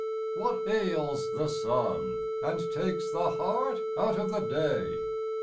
What ails the sun, And takes the heart out of the day?